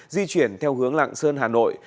di chuyển theo hướng lạng sơn hà nội